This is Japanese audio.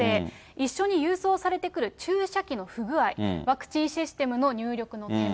一緒に郵送されてくる注射器の不具合、ワクチンシステムの入力の手間。